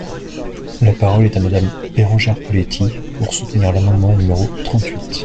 La parole est à Madame Bérengère Poletti, pour soutenir l’amendement numéro trente-huit.